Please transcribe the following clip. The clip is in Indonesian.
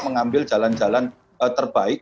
mengambil jalan jalan terbaik